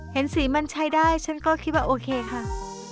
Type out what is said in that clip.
เห็นสีมันใช้ได้ฉันก็คิดว่าโอเคค่ะ